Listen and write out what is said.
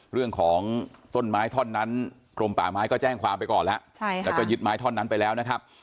เรื่องของต้นไม้ท่อนนั้นกรมป่าไม้ก็แจ้งความไปก่อนแล้วแล้วก็ยึดไม้ท่อนนั้นไปแล้วนะครับ